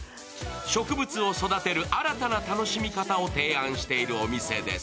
植物を育てる新たな楽しみ方を提案しているお店です。